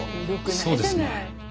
そうですね。